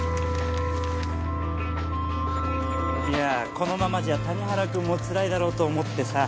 ・このままじゃ谷原君もつらいだろうと思ってさ